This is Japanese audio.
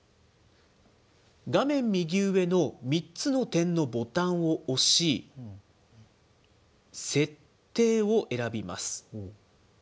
画面右上の３つの点のボタンを押し、設定を選びます。